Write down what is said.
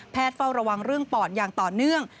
เฝ้าระวังเรื่องปอดอย่างต่อเนื่อง